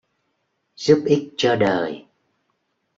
giúp ích cho đời.